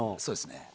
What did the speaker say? そうですね。